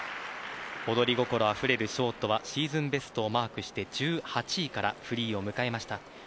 踊り心あふれるショートはシーズンベストをマークして１８位からフリーを迎えました。